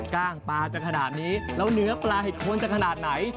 กล้างปลาจะขนาดนี้แล้วเนื้อปลาเห็ดโคนจะขนาดไหน